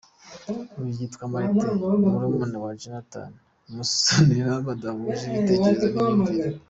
Uyu yitwa Martain ni murumuna wa Jonathan Musonera badahuje ibitekerezo n’imyumvire.